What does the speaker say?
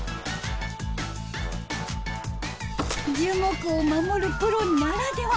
樹木を守るプロならでは。